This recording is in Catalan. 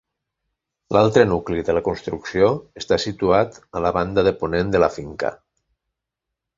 L'altre nucli de la construcció està situat a la banda de ponent de la finca.